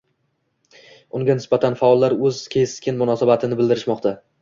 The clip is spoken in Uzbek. Unga nisbatan faollar o‘z keskin munosabatini bildirishmoqda.